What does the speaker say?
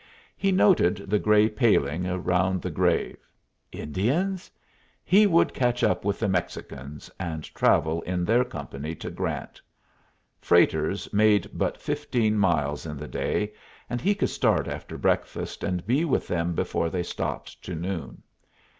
He noted the gray paling round the grave. Indians? He would catch up with the Mexicans, and travel in their company to Grant. Freighters made but fifteen miles in the day, and he could start after breakfast and be with them before they stopped to noon.